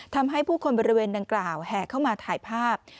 ทำให้ผู้คนบริเวณดังกล่าวแห่เข้ามาถ่ายภาพ